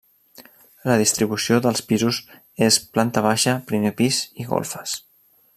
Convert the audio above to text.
La distribució dels pisos és planta baixa, primer pis i golfes.